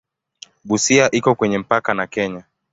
Busia iko kwenye mpaka na Kenya.